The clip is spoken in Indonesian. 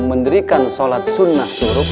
menderikan sholat sunnah suruk